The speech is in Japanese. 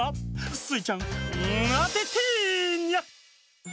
スイちゃんあててニャ！